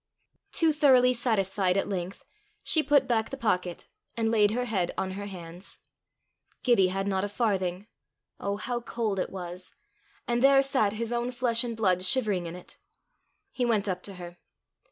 Too thoroughly satisfied at length, she put back the pocket, and laid her head on her hands. Gibbie had not a farthing. Oh, how cold it was! and there sat his own flesh and blood shivering in it! He went up to her.